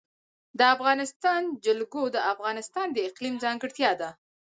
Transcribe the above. د افغانستان جلکو د افغانستان د اقلیم ځانګړتیا ده.